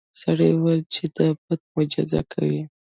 سړي وویل چې دا بت معجزه کوي.